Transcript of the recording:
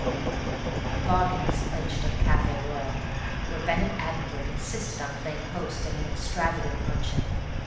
The bargain was clinched at the Café Royal, where Bennett Addenbrooke insisted on playing host at an extravagant luncheon.